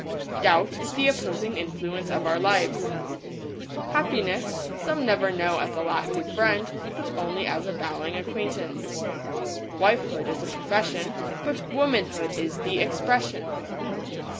Doubt is the opposing influence of our lives. Happiness, some never know as a lasting friend, but only as a bowing acquaintance. Wifehood is a profession, but Womanhood is the Expression.